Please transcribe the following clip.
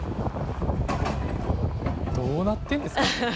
どうなってんですか？